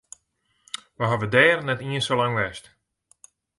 We hawwe dêr net iens sa lang west.